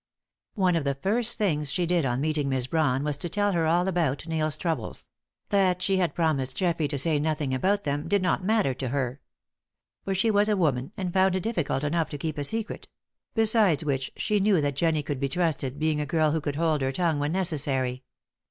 One of the first things she did on meeting Miss Brawn was to tell her all about Neil's troubles; that she had promised Geoffrey to say nothing about them did not matter to her. For she was a woman, and found it difficult enough to keep a secret; besides which, she knew that Jennie could be trusted, being a girl who could hold her tongue when necessary.